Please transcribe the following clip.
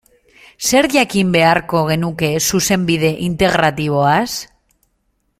Zer jakin beharko genuke Zuzenbide Integratiboaz?